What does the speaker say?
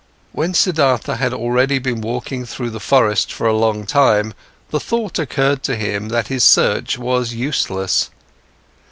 When Siddhartha had already been walking through the forest for a long time, the thought occurred to him that his search was useless.